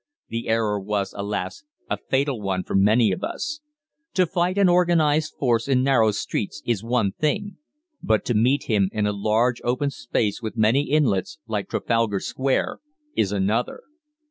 The error was, alas! a fatal one for many of us. To fight an organised force in narrow streets is one thing, but to meet him in a large open space with many inlets, like Trafalgar Square, is another.